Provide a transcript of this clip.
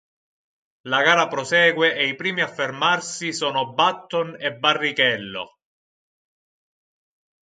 La gara prosegue e i primi a fermarsi sono Button e Barrichello.